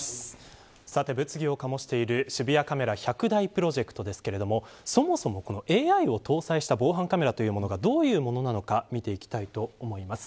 物議を醸している、渋谷カメラ１００台プロジェクトですがそもそも、ＡＩを搭載した防犯カメラというものがどういうものなのか見ていきます。